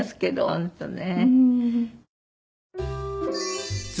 本当ね。